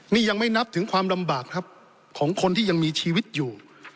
นี่ยังไม่นับถึงความลำบากครับของคนที่ยังมีชีวิตอยู่